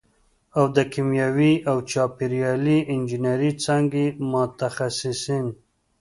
او د کیمیاوي او چاپېریالي انجینرۍ څانګې متخصصین